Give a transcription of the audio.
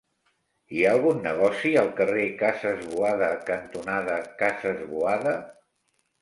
Hi ha algun negoci al carrer Cases Boada cantonada Cases Boada?